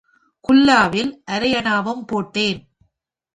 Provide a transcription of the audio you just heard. குல்லாவில் அரையனாவும் போட்டேன்.